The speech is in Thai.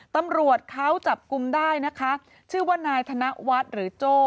ตำรวจเขาจับกลุ่มได้นะคะชื่อว่านายธนวัฒน์หรือโจ้